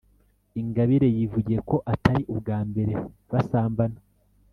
Ingabire yivugiye ko atari ubwa mbere basambana